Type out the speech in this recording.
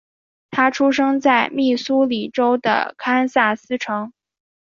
他出生在密苏里州的堪萨斯城。